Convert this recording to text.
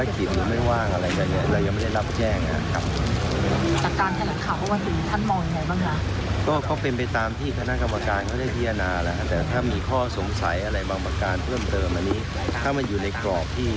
การเพิ่มเติมอันนี้ถ้ามันอยู่ในกรอบที่